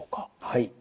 はい。